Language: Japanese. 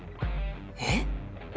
えっ？